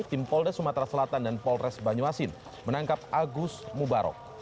tim polda sumatera selatan dan polres banyuasin menangkap agus mubarok